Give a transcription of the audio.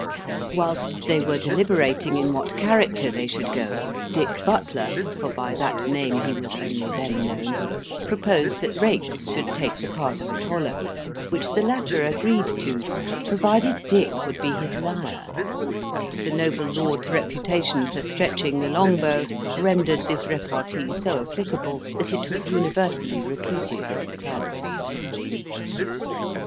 Whilst they were deliberating in what character they should go, Dick Butler for by that name he was only then known proposed that Raikes should take the part of Apollo; which the latter agreed to, provided Dick would be his lyre. The noble lord's reputation for stretching the long bow rendered this repartee so applicable, that it was universally repeated at the clubs.